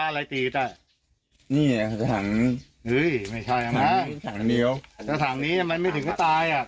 หลังนี้มันไม่ถึงก็ตายอะ